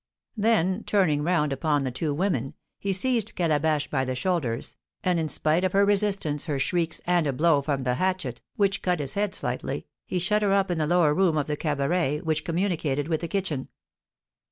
Then, turning round upon the two women, he seized Calabash by the shoulders, and, in spite of her resistance, her shrieks, and a blow from the hatchet, which cut his head slightly, he shut her up in the lower room of the cabaret, which communicated with the kitchen.